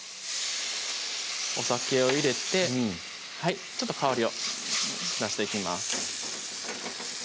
お酒を入れてちょっと香りを出していきます